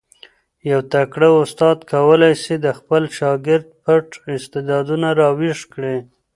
یو تکړه استاد کولای سي د خپل شاګرد پټ استعدادونه را ویښ کړي.